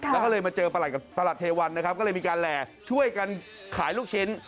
แล้วก็เลยมาเจอประหลัดเทวันนะครับก็เลยมีการแหล่ช่วยกันขายลูกชิ้น